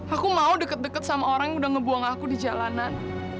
aku mau deket deket sama orang yang udah ngebuang aku di jalanan